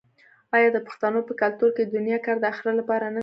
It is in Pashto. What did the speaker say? آیا د پښتنو په کلتور کې د دنیا کار د اخرت لپاره نه دی؟